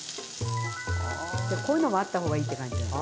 こういうのもあった方がいいって感じじゃない。